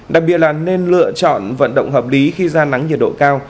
đặc biệt là nên lựa chọn vận động hợp lý khi ra nắng nhiệt độ cao